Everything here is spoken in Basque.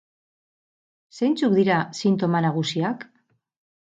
Zeintzuk dira sintoma nagusiak?